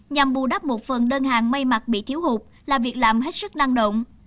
nhằm bù đắp một phần đơn hàng may mặt bị thiếu hụt là việc làm hết sức năng động